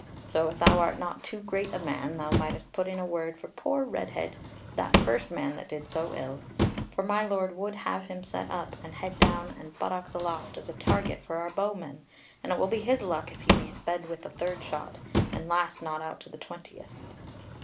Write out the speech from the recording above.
So if thou art not too great a man, thou mightest put in a word for poor Redhead, that first man that did so ill. For my Lord would have him set up, and head down and buttocks aloft, as a target for our bowmen. And it will be his luck if he be sped with the third shot, and last not out to the twentieth."